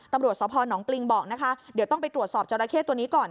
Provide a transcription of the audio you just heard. ตำรวจสวภรณ์หนองปริงบอกนะคะเดี๋ยวต้องไปตรวจสอบเจาะแคร์ตัวนี้ก่อน